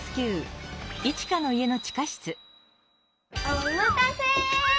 おまたせ！